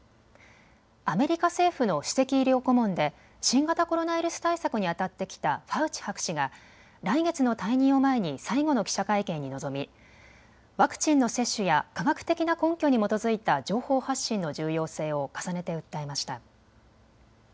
アメリカ政府の首席医療顧問で新型コロナウイルス対策にあたってきたファウチ博士が来月の退任を前に最後の記者会見に臨み、ワクチンの接種や科学的な根拠に基づいた情報発信の重要性を重ねて訴えました。